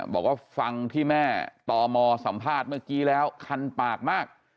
บอกว่าฟังที่แม่ตมสัมภาษณ์เมื่อกี้แล้วคันปากมาก